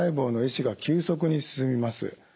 死が急速に進みます。